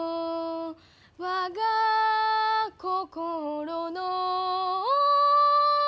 「我が心の」